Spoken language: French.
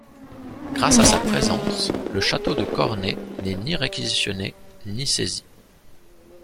Grâce à sa présence, le château de Cornay n’est ni réquisitionné ni saisi.